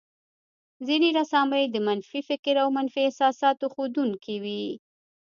ځينې رسامۍ د منفي فکر او منفي احساساتو ښودونکې وې.